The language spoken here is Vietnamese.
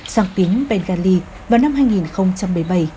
sáng tiếng bengali vào năm hai nghìn một mươi bảy